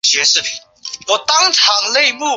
英德羊蹄甲为豆科羊蹄甲属下的一个变种。